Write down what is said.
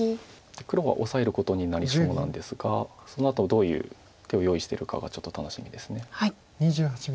黒はオサえることになりそうなんですがそのあとどういう手を用意してるかがちょっと楽しみです。